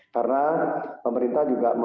karena pemerintah juga memberikan